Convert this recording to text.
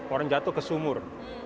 orang jatuh ke sumur